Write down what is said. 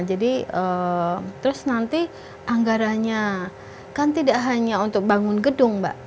jadi terus nanti anggaranya kan tidak hanya untuk bangun gedung mbak